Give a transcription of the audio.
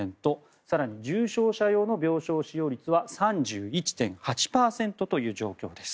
更に重症者用の病床使用率は３１．８％という状況です。